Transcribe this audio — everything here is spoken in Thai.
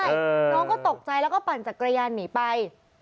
น้องก็ตกใจแล้วก็ปั่นจักรยานหนีไป